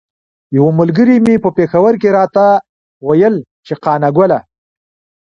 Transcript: یوه ملګري مې په پیښور کې راته ویل چې قانه ګله.